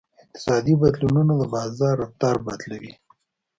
اقتصادي بدلونونه د بازار رفتار بدلوي.